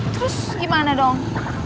terus gimana dong